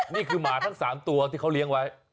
หมาทั้ง๓ตัวที่เขาเลี้ยงไว้